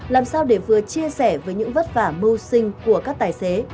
làm sao để vừa chia sẻ với những vất vả mưu sinh của các tài xế